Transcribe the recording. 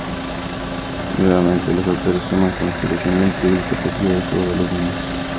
Nuevamente, los autores toman como inspiración la increíble capacidad de juego de los niños.